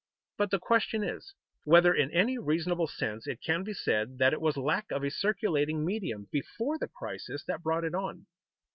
But the question is, whether in any reasonable sense it can be said that it was lack of a circulating medium before the crisis that brought it on.